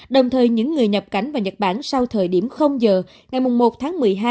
đồng thời những người nhập cảnh vào nhật bản sau thời điểm giờ ngày một tháng một mươi hai